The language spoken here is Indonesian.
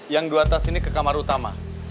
yang di atas ini ke kamar utama